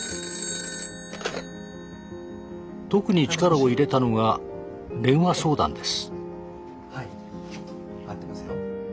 ☎特に力を入れたのが電話相談です。